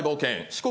四国